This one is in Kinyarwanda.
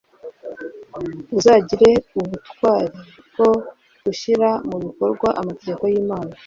uzagire ubutwari bwo gushyira mu bikorwa amategeko y imana